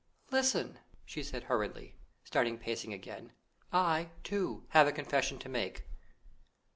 "Listen!" she said hurriedly, starting pacing again; "I, too, have a confession to make.